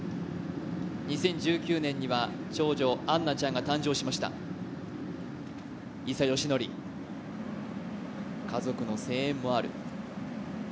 ２０１９年には長女・杏菜ちゃんが誕生しました伊佐嘉矩、家族の声援もある。